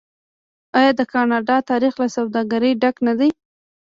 آیا د کاناډا تاریخ له سوداګرۍ ډک نه دی؟